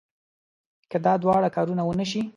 که دا دواړه کارونه ونه شي.